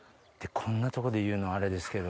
こんなとこで言うのあれですけど。